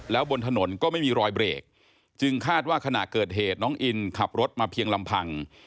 แล้วบนถนนก็ไม่มีรอยเบรกจึงคาดว่าขณะเกิดเหตุน้องอินขับรถมาเพียงลำพัง